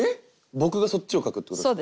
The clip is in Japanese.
僕がそっちを書くってことですか？